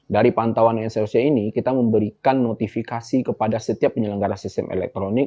dari pantauan nsoc ini kita memberikan notifikasi kepada setiap penyelenggara sistem elektronik